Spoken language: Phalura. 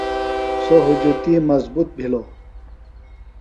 سو ہُجتی مضبوط بِھلوۡ۔